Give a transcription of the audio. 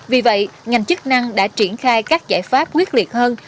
vì vậy ngành chức năng đã triển khai các giải pháp quyết liệt hơn